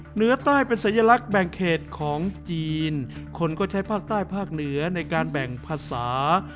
เหนือใต้เป็นสัญลักษณ์แบ่งเขตของจีนคนก็ใช้ภาคใต้ภาคเหนือในการแบ่งภาษา